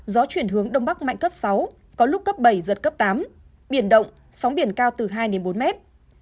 gió chuyển hướng đông bắc mạnh cấp sáu có lúc cấp bảy giật cấp tám biển động sóng biển cao từ hai đến bốn mét